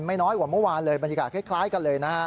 น้อยกว่าเมื่อวานเลยบรรยากาศคล้ายกันเลยนะฮะ